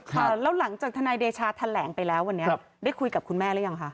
พาว่าร่างจากทนายเดชาแหลงไปแล้ววันเนี่ยได้คุยกับคุณแม่แล้วยังค่ะ